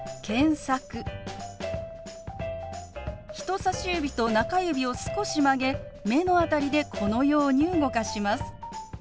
人さし指と中指を少し曲げ目の辺りでこのように動かします。